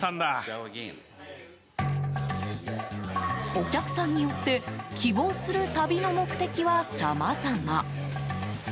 お客さんによって希望する旅の目的はさまざま。